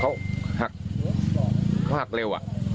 เขาหักเร็ว